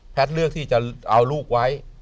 แพทย์เลือกที่จะเอาลูกไว้